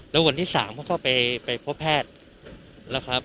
แล้ววันที่๓เขาก็ไปพบแพทย์นะครับ